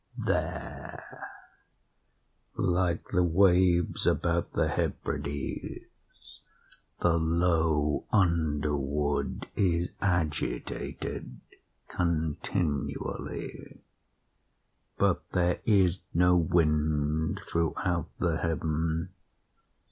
There, like the waves about the Hebrides, the low underwood is agitated continually. But there is no wind throughout the heaven.